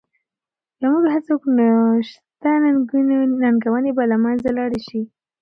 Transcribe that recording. که موږ هڅه وکړو نو شته ننګونې به له منځه لاړې شي.